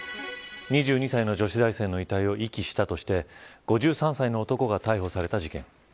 ２２歳の女子大生の遺体を遺棄したとして５３歳の男が逮捕された事件。